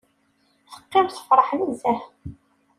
Teqqim tefṛeḥ nezzeh.